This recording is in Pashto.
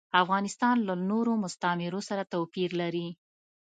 افغانستان له نورو مستعمرو سره توپیر لري.